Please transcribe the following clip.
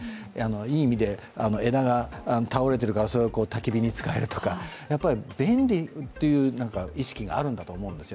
いい意味で枝が倒れているからそれをたき火に使えるとか便利という意識があるんだと思うんですよ。